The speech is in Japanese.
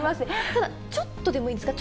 ただ、ちょっとでもいいんですか。